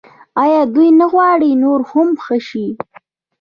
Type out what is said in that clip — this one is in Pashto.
آیا دوی نه غواړي نور هم ښه شي؟